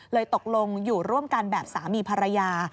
ตกลงอยู่ร่วมกันแบบสามีภรรยา